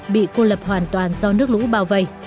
bị cô lập hoàn toàn do nước lũ bảo vệ